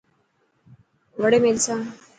وڙي ملسان.